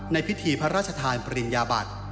ในพิธีพระราชทานปริญญาบัติ